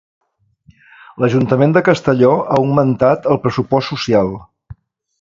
L'Ajuntament de Castelló ha augmentat el pressupost social.